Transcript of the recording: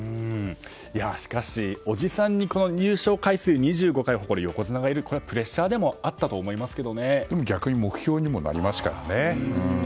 しかし叔父さんに優勝回数２５回の横綱がいるプレッシャーにもなったと逆に目標にもなりますからね。